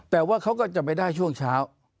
แต่ว่าเขาก็จะไปได้ช่วงเช้า